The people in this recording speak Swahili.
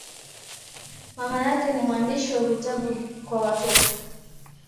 Mama yake ni mwandishi wa vitabu kwa watoto.